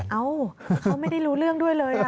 เอ้าเขาไม่ได้รู้เรื่องด้วยเลย